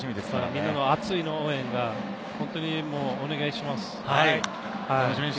みんなの熱い応援をお願いします。